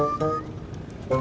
be sendirian aja be